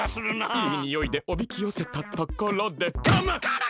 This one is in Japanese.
いいにおいでおびきよせたところでカマ！